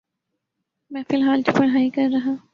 میں فلحال تو پڑہائی کر رہا۔